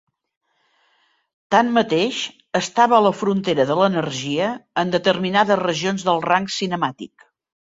Tanmateix, estava a la frontera de l"energia en determinades regions del rang cinemàtic.